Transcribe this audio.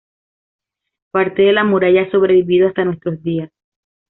Parte de la muralla ha sobrevivido hasta nuestros días.